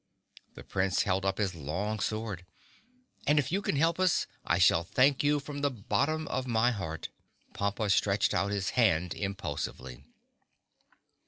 The Prince held up his long sword. "And if you can help us, I shall thank you from the bottom of my heart." Pompa stretched out his hand impulsively.